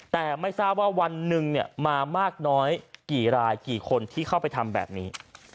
แต่ไม่ทราบว่าวันหนึ่งมามากน้อยกี่รายกี่คนที่เข้าไปทำแบบนี้